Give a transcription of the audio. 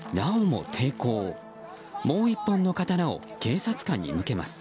もう１本の刀を警察官に向けます。